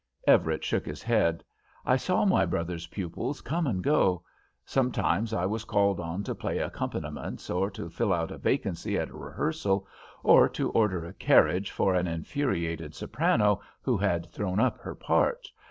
Everett shook his head. "I saw my brother's pupils come and go. Sometimes I was called on to play accompaniments, or to fill out a vacancy at a rehearsal, or to order a carriage for an infuriated soprano who had thrown up her part.